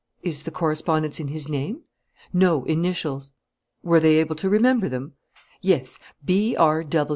"Is the correspondence in his name?" "No, initials." "Were they able to remember them?" "Yes: B.R.